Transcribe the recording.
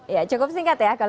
ya cukup singkat ya